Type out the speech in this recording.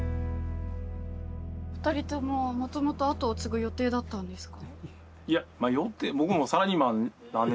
二人とももともと後を継ぐ予定だったんですか？